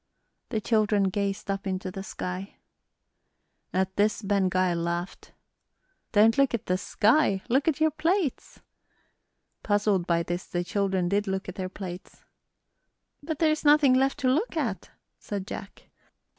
The children gazed up into the sky. At this Ben Gile laughed. "Don't look at the sky, look at your plates." Puzzled by this, the children did look at their plates. "But there's nothing left to look at," said Jack.